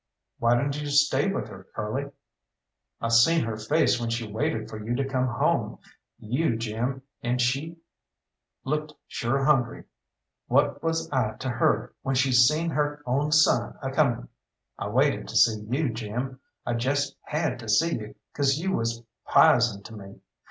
"Why didn't you stay with her, Curly?" "I seen her face when she waited for you to come home you, Jim, and she looked sure hungry. What was I to her, when she seen her own son a coming? I waited to see you, Jim; I jest had to see you 'cause you was pizen to me.